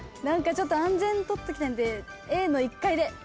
何かちょっと安全取っときたいんでＡの１階で。